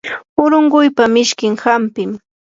urunquypa mishkin hampim.